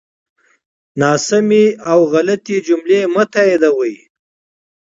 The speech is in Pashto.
ناسمی او غلطی جملی مه تاییدوی